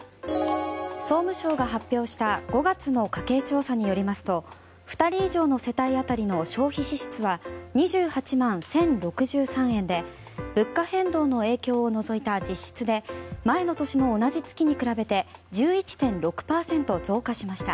総務省が発表した５月の家計調査によりますと２人以上の世帯当たりの消費支出は２８万１０６３円で物価変動の影響を除いた実質で前の年の同じ月に比べて１１．６％増加しました。